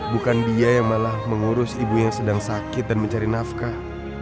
bukan dia yang malah mengurus ibu yang sedang sakit dan mencari nafkah